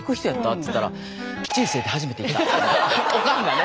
っつったらオカンがね。